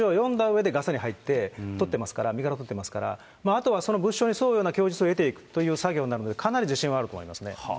物証を押さえて筋を読んだうえでガサに入って取ってますから、身柄を取っていますから、あとはその物証に沿うような供述を取っていくということになるので、かなり自信はあるでしょうね。